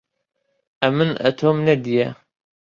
ئەمن ئەتۆم نەدییە